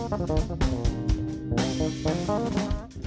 kerajaan bandar bambu sepedagi